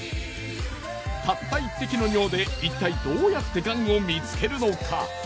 たった１滴の尿で一体どうやってがんを見つけるのか？